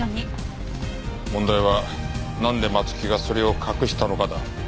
問題はなんで松木がそれを隠したのかだ。